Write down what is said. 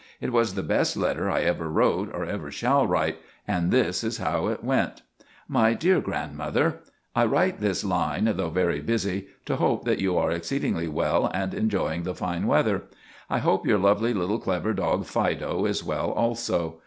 It was the best letter I ever wrote, or ever shall write, and this is how it went— "MY DEAR GRANDMOTHER, "I write this line, though very busy, to hope that you are exceedingly well and enjoying the fine weather. I hope your lovely, little clever dog, 'Fido,' is well also.